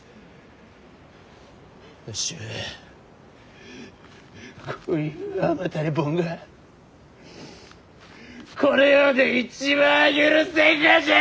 わしはこういう甘たれボンがこの世で一番許せんがじゃ！